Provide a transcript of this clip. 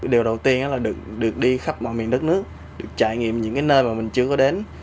điều đầu tiên là được đi khắp mọi miền đất nước được trải nghiệm những cái nơi mà mình chưa có đến